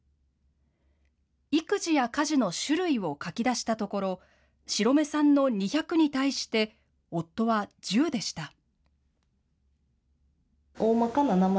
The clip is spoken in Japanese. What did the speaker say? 育児や家事の種類を書き出したところ、白目さんの２００に対して、夫は１０でした。